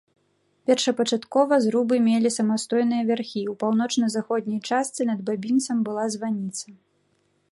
Першапачаткова зрубы мелі самастойныя вярхі, у паўночна-заходняй частцы над бабінцам была званіца.